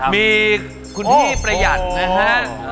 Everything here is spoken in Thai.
มีคุณพี่ประหยัดนะฮะ